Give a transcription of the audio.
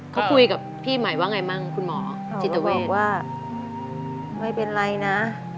เขาคุยกับพี่หมายว่าไงบ้างคุณหมอจิตเวชเขาก็บอกว่าไม่เป็นไรนะ